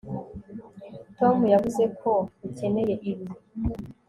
Tom yavuze ko ukeneye ibi